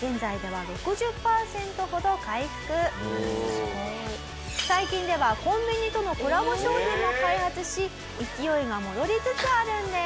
すごい。最近ではコンビニとのコラボ商品も開発し勢いが戻りつつあるんです。